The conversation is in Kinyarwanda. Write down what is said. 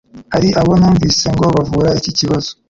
Hari abo numvise ngo bavura iki kibazo